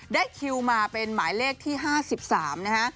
คิวมาเป็นหมายเลขที่๕๓นะฮะ